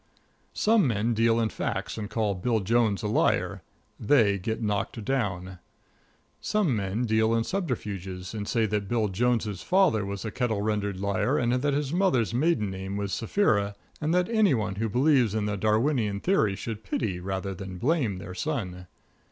Some men deal in facts, and call Bill Jones a liar. They get knocked down. Some men deal in subterfuges, and say that Bill Jones' father was a kettle rendered liar, and that his mother's maiden name was Sapphira, and that any one who believes in the Darwinian theory should pity rather than blame their son.